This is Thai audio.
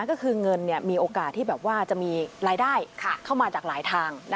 ก็คือเงินมีโอกาสที่แบบว่าจะมีรายได้เข้ามาจากหลายทาง